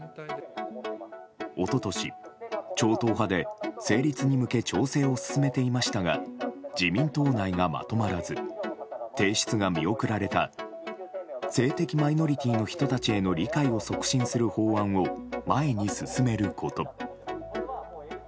一昨年超党派で成立に向け調整を進めていましたが自民党内がまとまらず提出が見送られた性的マイノリティーの人たちへの理解を促進する法案を前に進めること。